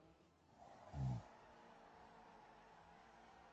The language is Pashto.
غوږونه د خلکو درد اوري